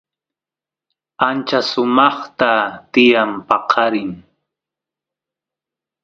ancha sumaqta tiyan paqarin